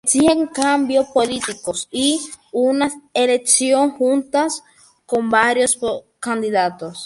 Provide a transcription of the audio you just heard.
Exigieron cambios políticos y una elección justa con varios candidatos.